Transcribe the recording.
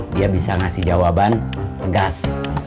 dia bisa ngasih jawaban tegas